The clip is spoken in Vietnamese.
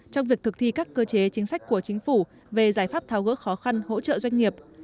trong việc thực thi các cơ chế chính sách của chính phủ về giải pháp tháo gỡ khó khăn hỗ trợ doanh nghiệp